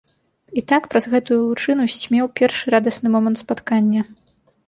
І так праз гэтую лучыну сцьмеў першы радасны момант спаткання.